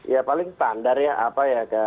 ya paling tandarnya apa ya